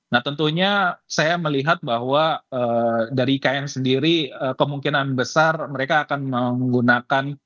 nah tentunya saya melihat bahwa dari ikn sendiri kemungkinan besar mereka akan menggunakan